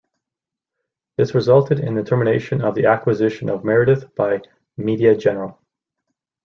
This resulted in the termination of the acquisition of Meredith by Media General.